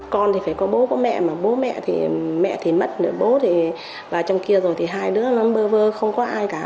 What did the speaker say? con thì phải có bố có mẹ mà bố mẹ thì mẹ thì mất nữa bố thì vào trong kia rồi thì hai đứa nó bơ vơ không có ai cả